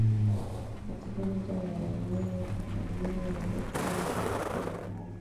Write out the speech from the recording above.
katika vita ya wenyewe kwa wenyewe ya Vietnam hadi kushindwa pale